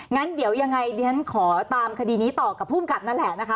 งั้นเดี๋ยวยังไงดิฉันขอตามคดีนี้ต่อกับภูมิกับนั่นแหละนะคะ